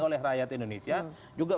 oleh rakyat indonesia juga